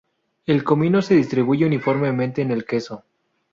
El comino se distribuye uniformemente en el queso.